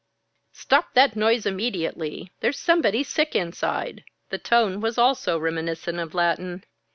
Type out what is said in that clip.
"Stop that noise immediately! There's somebody sick inside." The tone also was reminiscent of Latin.